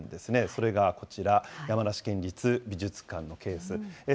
それがこちら、山梨県立美術館のケース。